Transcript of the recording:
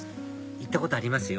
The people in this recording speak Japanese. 行ったことありますよ